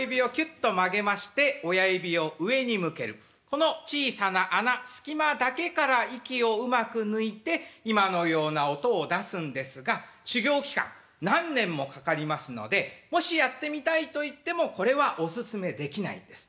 この小さな穴隙間だけから息をうまく抜いて今のような音を出すんですが修業期間何年もかかりますのでもしやってみたいといってもこれはおすすめできないんです。